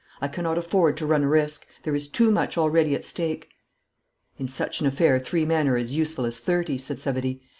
I cannot afford to run a risk. There is too much already at stake.' 'In such an affair three men are as useful as thirty,' said Savary.